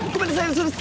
嘘です。